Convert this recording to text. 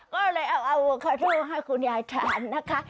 ก็เลยเอาโวคาโดให้คุณยายทานนะคะ